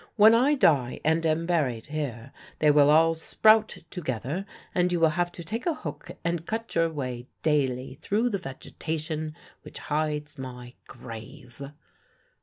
"When I die, and am buried here, they will all sprout together, and you will have to take a hook and cut your way daily through the vegetation which hides my grave."